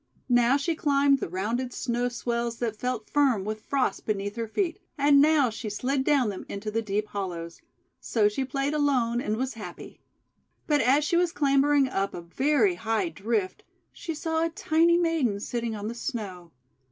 Now she climbed the rounded snow swells that felt firm with Frost beneath her feet, and now she slid down them into the deep hollows. So she played alone and was happy. But as she was clambering up a very high drift, she saw a tiny maiden sitting on the Snow.